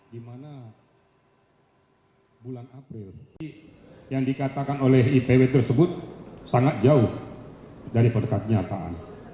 di mana bulan april yang dikatakan oleh ipw tersebut sangat jauh dari perkat kenyataan